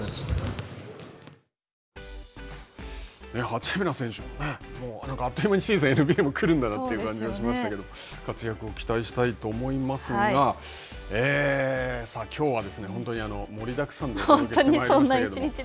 八村選手、あっという間にシーズンも来るんだなと思いましたけど、活躍を期待したいと思いますが、きょうは本当に盛りだくさんでお届けしてまいりましたけれども。